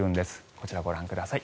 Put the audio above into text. こちら、ご覧ください。